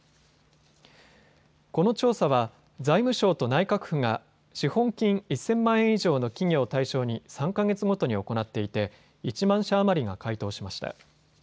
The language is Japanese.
この調査は財務省と内閣府が資本金１０００万円以上の企業を対象に３か月ごとに行っていて１万社余りが回答しました。